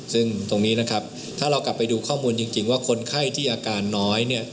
ซึ่งตรงนี้นะครับถ้าเรากลับไปดูข้อมูลจริงว่าคนไข้ที่อาการน้อยเนี่ย